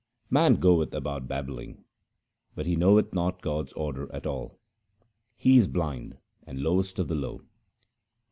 Man goeth about babbling, but he knoweth not God's order at all ; he is blind and lowest of the low.